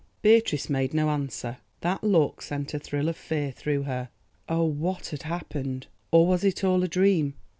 Beatrice made no answer; that look sent a thrill of fear through her. Oh; what had happened! Or was it all a dream?